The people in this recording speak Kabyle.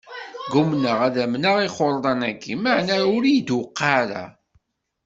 Gummaɣ ad amneɣ ixurḍan-aki, maɛna ur iyi-tuqiɛ ara.